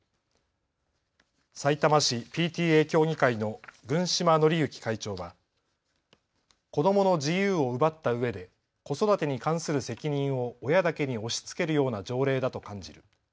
さいたま市ＰＴＡ協議会の郡島典幸会長は子どもの自由を奪ったうえで子育てに関する責任を親だけに押しつけるような条例だと感じる。